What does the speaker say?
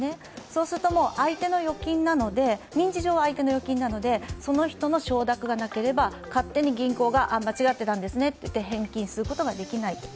そうすると、民事上相手の預金なのでその人の承諾がなければ勝手に銀行が間違っていたんですねと返金することができない。